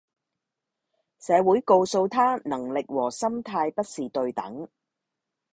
社會告訴他能力和心態不是對等